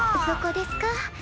そこですか。